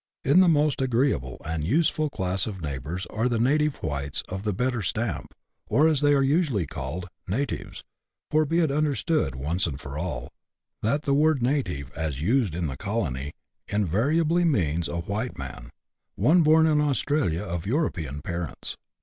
In the most agreeable and useful class of neighbours are the native whites of the better stamp, or, as they are usually called, " natives," for be it understood, once for all, that the word native, as used in the colony, invariably means a white man, one born in Australia of European parents.